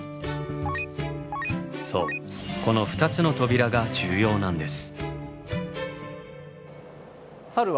そうこの２つの扉が重要なんです。